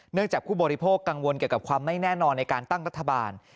จากผู้บริโภคกังวลเกี่ยวกับความไม่แน่นอนในการตั้งรัฐบาล